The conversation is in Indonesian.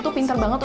itu nyata ngerti